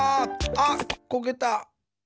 あっこけた。